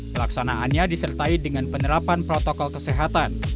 pelaksanaannya disertai dengan penerapan protokol kesehatan